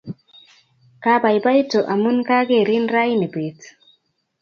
Kapaipaitu amun kakerin raini peet